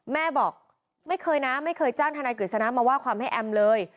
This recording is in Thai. แม่บอกไม่เคยนะไม่เคยจ้างทนายกฤษณะมาว่าความให้แอมเลย